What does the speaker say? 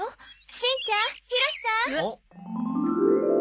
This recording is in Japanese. しんちゃんひろしさん。